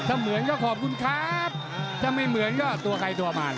ถ้าเหมือนก็ขอบคุณครับถ้าไม่เหมือนก็ตัวใครตัวมัน